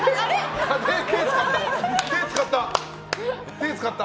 手使った！